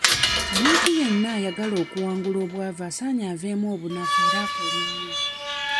Omuntu yenna ayagala okuwangula obwavu asaanye aveemu obunafu era akole nnyo.